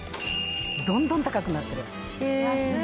どんどん高くなってる。